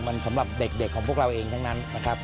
มันสำหรับเด็กของพวกเราเองทั้งนั้นนะครับ